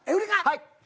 はい。